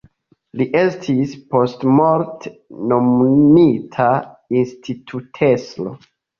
Li estis postmorte nomumita institutestro.